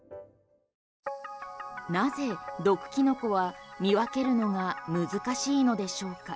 なぜ毒キノコは見分けるのが難しいのでしょうか？